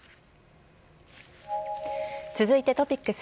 続いてトピックス。